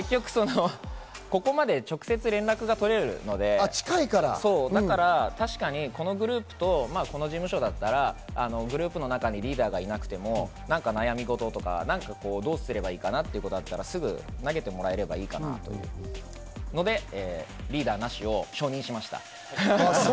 ここまで直接連絡を取れるので、確かにこのグループとこの事務所だったらグループの中にリーダーがいなくても、悩み事とかどうすればいいのかなっていうことはすぐ投げてもらえばいいかなと思うので、リーダーなしを承認しました。